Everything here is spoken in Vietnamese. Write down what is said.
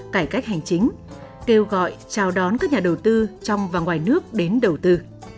cải cách hành chính kêu gọi chào đón các nhà đầu tư trong và ngoài nước đến đầu tư